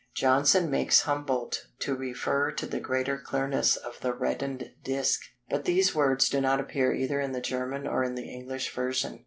Johnson makes Humboldt to refer to the greater clearness of the "reddened disc," but these words do not appear either in the German or in the English version.